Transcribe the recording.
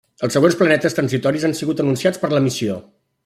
Els següents planetes transitoris han sigut anunciats per la missió.